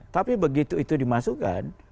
tapi begitu itu dimasukkan